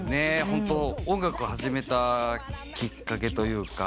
ホント音楽を始めたきっかけというか。